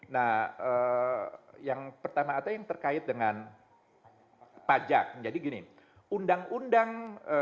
nah yang pertama ada yang terkait dengan pajak jadi gini undang undang dua puluh tiga dua ribu sebelas